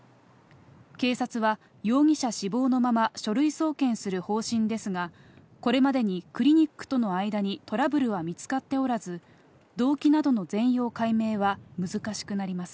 警察は、容疑者死亡のまま書類送検する方針ですが、これまでにクリニックとの間にトラブルは見つかっておらず、動機などの全容解明は難しくなります。